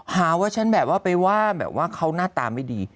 หาว่าฉันแบบว่าเขาน่าตาไม่ดี